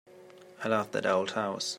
I love that old house.